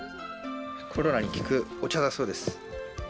コロナに効くお茶だそうです。